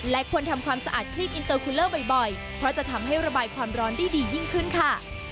และควรทำความสะอาดคลีบอินเตอร์คูเลอร์บ่อยเพราะจะทำให้ระบายความร้อนได้ดียิ่งขึ้นค่ะ